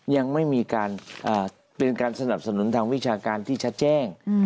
ยังไม่มีการเป็นการสนับสนุนทางวิชาการที่ชัดแจ้ง